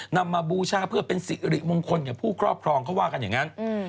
มาบูชาเพื่อเป็นสิริมงคลกับผู้ครอบครองเขาว่ากันอย่างนั้น